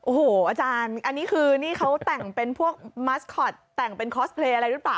โอ้โหอาจารย์อันนี้คือมัสคอตแต่งเป็นคอสเพลย์อะไรเหรอ